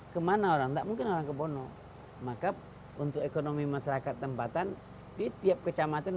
kemana orang tak mungkin orang kebono maka untuk ekonomi masyarakat tempatan di tiap kecamatan